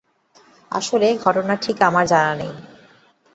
আসলে, ঘটনাটা ঠিক আমার জানা নেই।